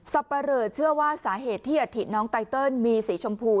ปะเรอเชื่อว่าสาเหตุที่อัฐิน้องไตเติลมีสีชมพู